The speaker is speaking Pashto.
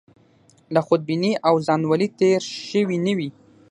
له خودبینۍ او ځانولۍ تېر شوي نه وي.